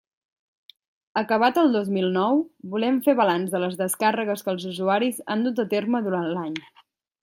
Acabat el dos mil nou, volem fer balanç de les descàrregues que els usuaris han dut a terme durant l'any.